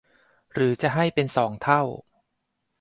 หรือจะให้เป็นสองเท่า